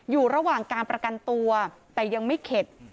อยู่ระหว่างการประกันตัวแต่ยังไม่เข็ด